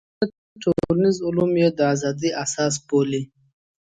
معاصر ټولنیز علوم یې د ازادۍ اساس بولي.